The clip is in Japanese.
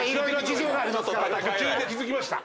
途中で気付きました。